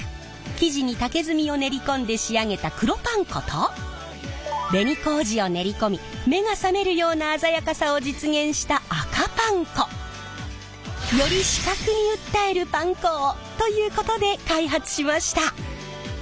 生地に竹炭を練り込んで仕上げた黒パン粉と紅麹を練り込み目が覚めるような鮮やかさを実現した赤パン粉！ということで開発しました。